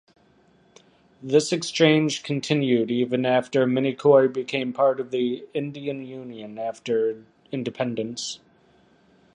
This exchange continued even after Minicoy became part of the Indian Union after independence.